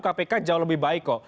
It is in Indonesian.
kpk jauh lebih baik kok